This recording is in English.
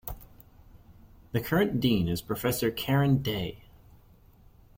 The current Dean is Professor Karen Day.